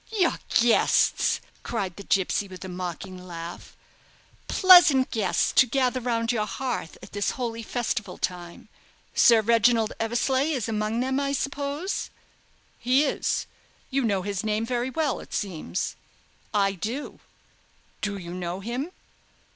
"Your guests!" cried the gipsy, with a mocking laugh; "pleasant guests to gather round your hearth at this holy festival time. Sir Reginald Eversleigh is amongst them, I suppose?" "He is. You know his name very well, it seems." "I do." "Do you know him?"